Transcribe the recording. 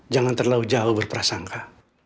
jangan terlalu jauh berprasangka